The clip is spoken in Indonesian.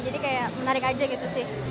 jadi kayak menarik aja gitu sih